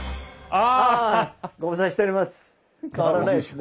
ああご無沙汰しております。